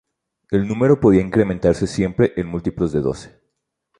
El número podía incrementarse siempre en múltiplos de doce.